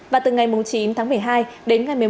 và từ ngày chín một mươi hai đến ngày một mươi một một mươi hai